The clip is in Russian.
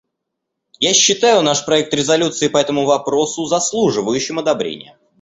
Я считаю наш проект резолюции по этому вопросу заслуживающим одобрения.